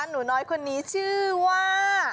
หนูน้อยคนนี้ชื่อว่า